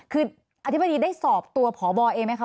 คืออธิบดีได้สอบตัวพบเองไหมคะ